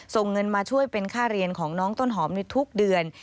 ส่งเงินมาช่วยเป็นค่าเรียนของน้องต้นหอมในทุกเดือน